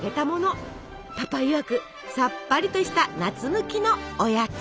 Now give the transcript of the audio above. パパいわくサッパリとした夏向きのおやつ！